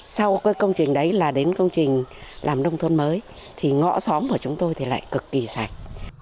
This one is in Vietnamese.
sau công trình đấy là đến công trình làm nông thuần mới thì ngõ xóm của chúng tôi lại cực kỳ sạch